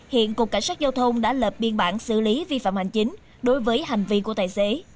hiện cục cảnh sát giao thông đã lập biên bản xử lý vi phạm hành chính đối với hành vi của tài xế